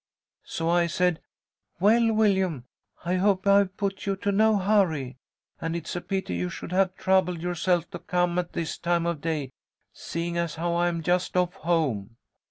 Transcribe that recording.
"So I said, 'Well, Willyum, I hope I've put you to no hurry, and it's a pity you should have troubled yourself to come at this time of day, seeing as how I'm just off home.'